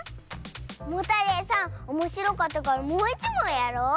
モタレイさんおもしろかったからもういちもんやろう。